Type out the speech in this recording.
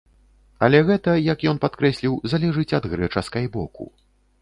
Але гэта, як ён падкрэсліў, залежыць ад грэчаскай боку.